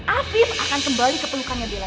afif akan kembali keperlukannya bella